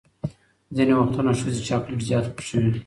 ځینې وختونه ښځې چاکلیټ زیات خوښوي.